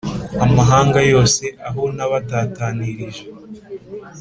amahanga yose aho nabatatanirije